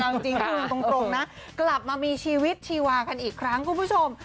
เอาจริงพูดตรงนะกลับมามีชีวิตชีวากันอีกครั้งคุณผู้ชม